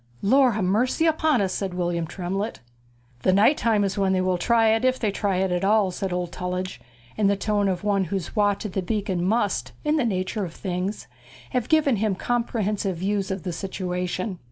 'Lord ha' mercy upon us!' said William Tremlett. 'The night time is when they will try it, if they try it at all,' said old Tullidge, in the tone of one whose watch at the beacon must, in the nature of things, have given him comprehensive views of the situation.